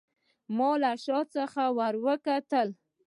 ما له شا څخه وروکتل.